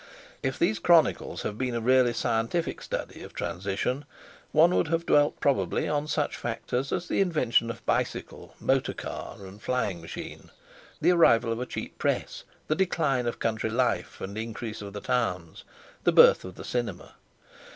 If these chronicles had been a really scientific study of transition one would have dwelt probably on such factors as the invention of bicycle, motor car, and flying machine; the arrival of a cheap Press; the decline of country life and increase of the towns; the birth of the Cinema.